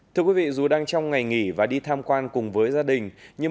thưa quý vị dù đang trong ngày nghỉ và đi tham quan cùng với gia đình nhưng